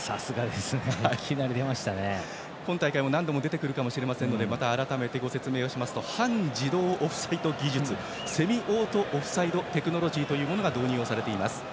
今大会でも何度も出てくるかもしれないので改めてご紹介しますと半自動オフサイド技術セミオートオフサイドテクノロジーが導入されています。